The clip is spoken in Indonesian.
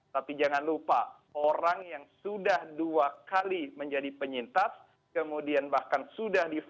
tapi jangan lupa orang yang sudah dua kali menjadi penyintas kemudian bahkan sudah divaksin